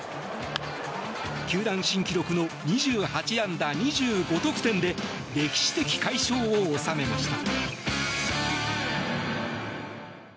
球団新記録の２８安打２５得点で歴史的快勝を収めました。